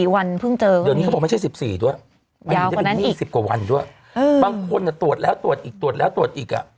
๑๔วันเพิ่งเจอก็มียาวคนนั้นอีก๑๐กว่าวันด้วยบางคนตรวจแล้วตรวจอีกตรวจแล้วตรวจอีก